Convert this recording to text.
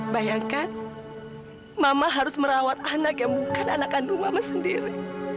bayangkan mama harus merawat anak yang bukan anak kandung mama sendiri